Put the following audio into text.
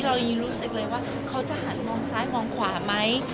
เรายังรู้สึกเลยว่าเขาจะหันมองซ้ายมองขวาไหม